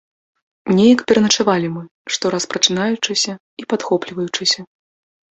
Неяк пераначавалі мы, штораз прачынаючыся і падхопліваючыся.